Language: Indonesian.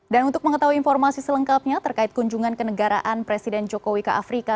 dan untuk mengetahui informasi selengkapnya terkait kunjungan ke negaraan presiden jokowi ke afrika